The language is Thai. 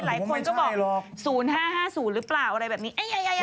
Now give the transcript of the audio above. หลายคนก็บอก๐๕๕๐หรือเปล่าอะไรแบบนี้